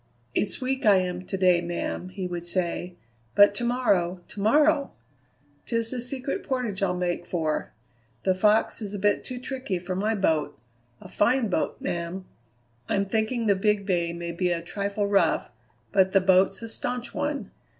"It's weak I am to day, ma'am," he would say, "but to morrow, to morrow! 'Tis the Secret Portage I'll make for; the Fox is a bit too tricky for my boat a fine boat, ma'am. I'm thinking the Big Bay may be a trifle rough, but the boat's a staunch one.